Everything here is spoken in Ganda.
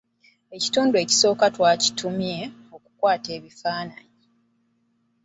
Ekitundu ekisooko twakituumye; okukwata ekifaananyi.